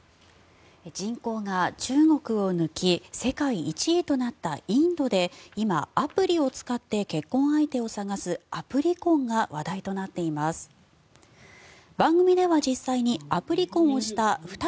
人口が中国を抜き世界１位となったインドで今、アプリを使って結婚相手を探すＧ２０で初の議長国を務めたインド。